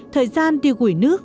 thời gian đi gửi nước